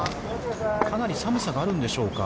かなり寒さがあるんでしょうか。